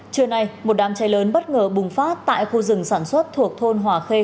trưa nay một đám cháy lớn bất ngờ bùng phát tại khu rừng sản xuất thuộc thôn hòa khê